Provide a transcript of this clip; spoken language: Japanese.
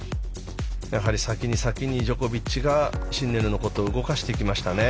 やはり先にジョコビッチがシンネルのことを動かしていきましたね。